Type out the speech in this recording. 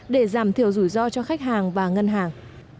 để giảm thiểu rủi ro cho khách hàng và ngân hàng